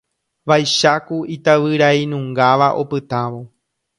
Vaicháku itavyrainungáva opytávo.